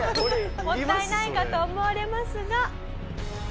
もったいないかと思われますが。